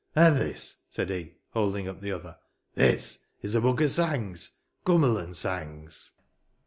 "An' this," said he, holding up the other; "this is a book o* sangs. Cummerlan' sangs."